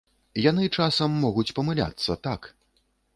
Яны часам могуць памыляцца, так.